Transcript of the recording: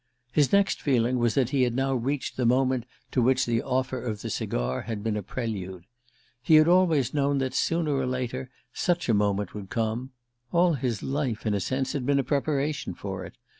His next feeling was that he had now reached the moment to which the offer of the cigar had been a prelude. He had always known that, sooner or later, such a moment would come; all his life, in a sense, had been a preparation for it.